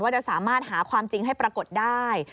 จะสามารถหาความจริงให้ปรากฏได้